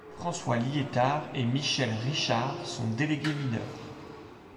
François Liétard et Michel Richard sont délégués mineurs.